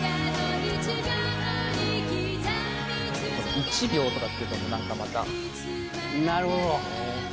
１秒とかっていうと、なんかなるほど。